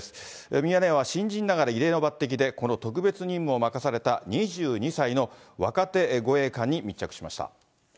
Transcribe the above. ミヤネ屋は、新人ながら異例の抜てきで、この特別任務を任された２２歳の若手護衛官に密着しました。